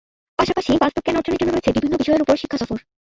পাশাপাশি বাস্তব জ্ঞান অর্জনের জন্য রয়েছে বিভিন্ন বিষয়ের উপর শিক্ষা সফর।